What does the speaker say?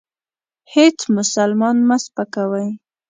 هیڅ مسلمان مه سپکوئ.